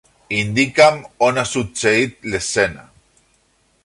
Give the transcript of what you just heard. Indica'm on ha succeït l'escena.